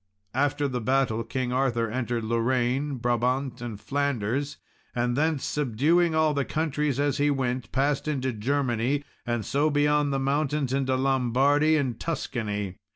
After the battle, King Arthur entered Lorraine, Brabant, and Flanders, and thence, subduing all the countries as he went, passed into Germany, and so beyond the mountains into Lombardy and Tuscany.